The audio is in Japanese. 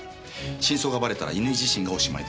真相がバレたら乾自身がおしまいですから。